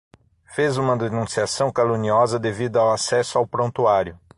Fez uma denunciação caluniosa devido ao acesso ao prontuário